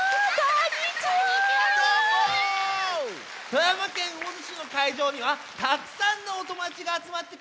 富山県魚津市のかいじょうにはたくさんのおともだちがあつまってくれましたよ。